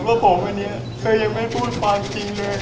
ว่าผมอันนี้เธอยังไม่พูดความจริงเลย